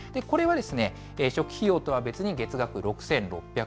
これは、初期費用とは別に、月額６６００円。